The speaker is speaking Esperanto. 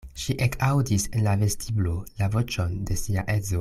Ŝi ekaŭdis en la vestiblo la voĉon de sia edzo.